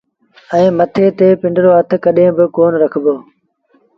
ائيٚݩ ڪڏهين با مٿي تي پنڊرو هٿ ڪونهيٚ رکي